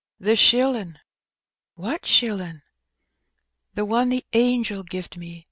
"The shillin'." "What shilling?" "The one the angel gived me.